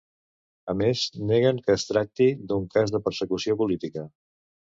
A més, neguen que es tracti d’un cas de ‘persecució política’.